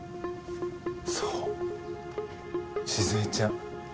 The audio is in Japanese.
そう静江ちゃん。